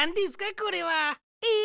これは。え！？